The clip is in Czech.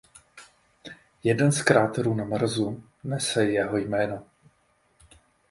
Jeden z kráterů na Marsu nese jeho jméno.